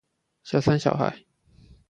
小三小孩